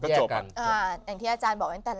แยกกัน